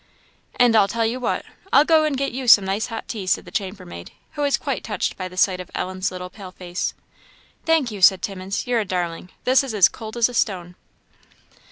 "And I'll tell you what, I'll go and get you some nice hot tea," said the chambermaid, who was quite touched by the sight of Ellen's little pale face. "Thank you," said Timmins "you're a darling. This is as cold as a stone."